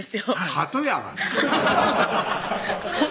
ハトやがな